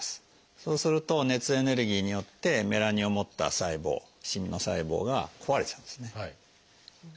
そうすると熱エネルギーによってメラニンを持った細胞しみの細胞が壊れちゃうんですね。